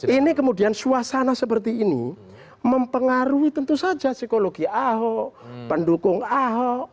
ini kemudian suasana seperti ini mempengaruhi tentu saja psikologi ahok pendukung ahok